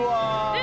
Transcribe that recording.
え！